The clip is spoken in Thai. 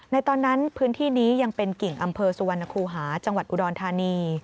ตอนนั้นพื้นที่นี้ยังเป็นกิ่งอำเภอสุวรรณคูหาจังหวัดอุดรธานี